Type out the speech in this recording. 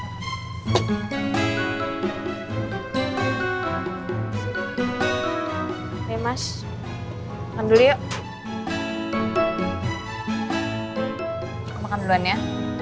aku makan duluan ya